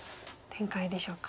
展開でしょうか。